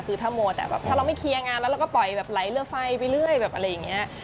คือถ้ามัวแต่แบบถ้าเราไม่เคลียร์งานแล้วเราก็ปล่อยแบบไหลเรือไฟไปเรื่อยแบบอะไรอย่างนี้